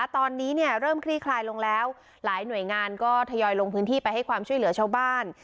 ตอนนี้เริ่มคลี่คลายลงแล้วหลายหน่วยงานก็ทยอยลงพื้นที่ไปให้ความช่วยเหลือชาวบ้าน